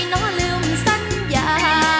น้องลืมสัญญา